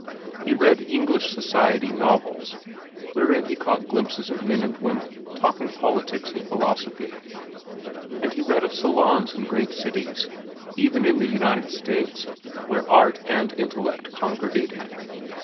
He read English society novels, wherein he caught glimpses of men and women talking politics and philosophy. And he read of salons in great cities, even in the United States, where art and intellect congregated.